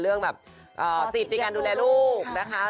เรื่องแบบสิทธิ์ในการดูแลลูกนะคะ